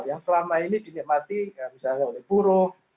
yang selama ini dinikmati misalnya oleh buruh